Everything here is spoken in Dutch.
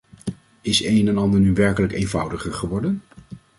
Is een en ander nu werkelijk eenvoudiger geworden?